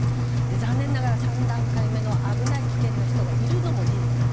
残念ながら３段階目の危ない、危険な人がいるのも事実なんです。